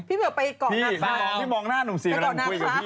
พี่มองหน้านุ่มสีกำลังคุยกับพี่